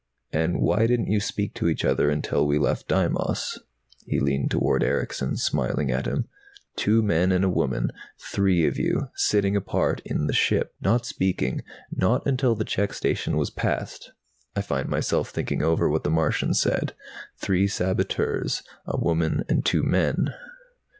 "And why didn't you speak to each other until we left Deimos?" He leaned toward Erickson, smiling at him. "Two men and a woman. Three of you. Sitting apart in the ship. Not speaking, not until the check station was past. I find myself thinking over what the Martian said. Three saboteurs. A woman and two men."